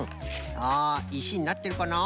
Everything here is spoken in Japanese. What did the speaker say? さあいしになってるかな？